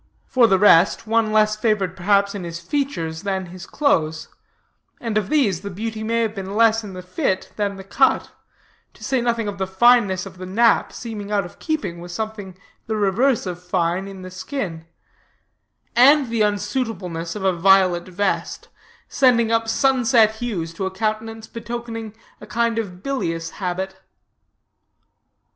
For the rest, one less favored perhaps in his features than his clothes; and of these the beauty may have been less in the fit than the cut; to say nothing of the fineness of the nap, seeming out of keeping with something the reverse of fine in the skin; and the unsuitableness of a violet vest, sending up sunset hues to a countenance betokening a kind of bilious habit.